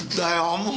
もう。